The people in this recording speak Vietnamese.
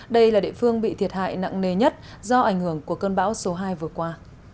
đây là địa phương bị thiệt hại nặng nề nhất do ảnh hưởng của cơn bão số hai vừa qua